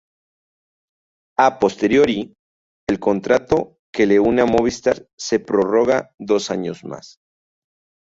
A posteriori, el contrato que le une a Movistar se prorroga dos años más.